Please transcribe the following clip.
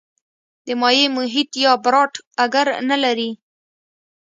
د مایع محیط یا براټ اګر نه لري.